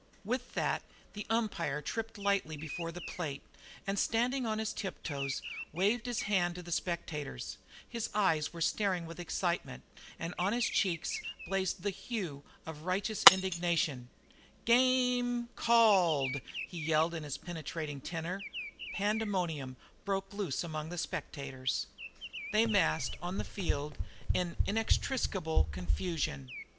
With that the umpire tripped lightly before the plate, and standing on his tiptoes, waved his hand to the spectators. His eyes were staring with excitement, and on his cheek blazed the hue of righteous indignation. "Ga me cal led!" he yelled in his Penetrating tenor. "Game called, 9 to 0, favor Jacktown! BROWNSVILLE PITCHER THROWS A CROOKED BALL!" Pandemonium broke loose among the spectators. They massed on the field in inextricable confusion.